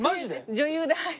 女優ではい。